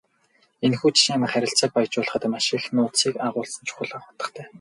Энэхүү жишээ нь харилцааг баяжуулахад маш их нууцыг агуулсан чухал утгатай.